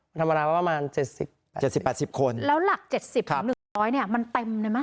วันธรรมดาประมาณเจ็ดสิบเจ็ดสิบแปดสิบคนแล้วหลักเจ็ดสิบของหนึ่งร้อยเนี่ยมันเต็มได้ไหม